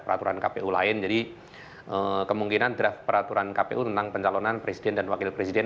peraturan kpu lain jadi kemungkinan draft peraturan kpu tentang pencalonan presiden dan wakil presiden